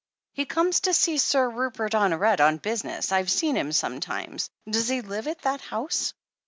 "He comes to see Sir Rupert Honoret on business. I've seen him sometimes. Does he live at that house?"